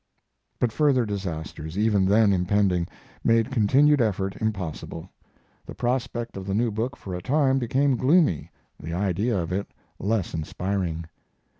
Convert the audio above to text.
But further disasters, even then impending, made continued effort impossible; the prospect of the new book for a time became gloomy, the idea of it less inspiring.